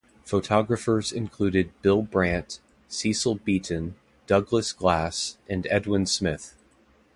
Photographers included Bill Brandt, Cecil Beaton, Douglas Glass and Edwin Smith.